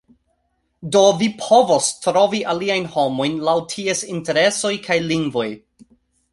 Do, vi povos trovi aliajn homojn laŭ ties interesoj kaj lingvoj